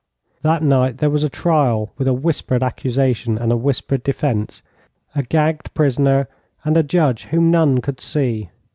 That night there was a trial with a whispered accusation and a whispered defence, a gagged prisoner, and a judge whom none could see.